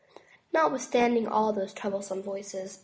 Notwithstanding all those troublesome voices.